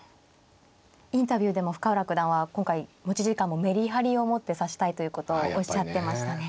インタビューでも深浦九段は今回持ち時間もメリハリを持って指したいということをおっしゃってましたね。